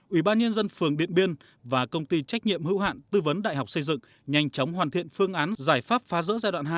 ủy ban nhân dân phường điện biên và công ty trách nhiệm hữu hạn tư vấn đại học xây dựng nhanh chóng hoàn thiện phương án giải pháp phá rỡ giai đoạn hai